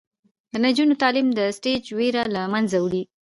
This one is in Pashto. د نجونو تعلیم د سټیج ویره له منځه وړي.